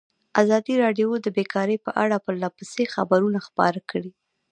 ازادي راډیو د بیکاري په اړه پرله پسې خبرونه خپاره کړي.